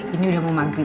ini udah mau maghrib ya